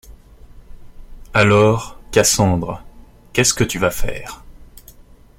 Alors, Cassandre, qu’est-ce que tu vas faire?